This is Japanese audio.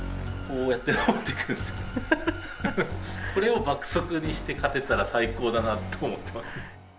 これを爆速にして勝てたら最高だなと思ってます。